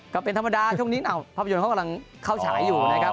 ก็เป็นธรรมดาช่วงนี้ภาพยนตร์เขากำลังเข้าฉายอยู่นะครับ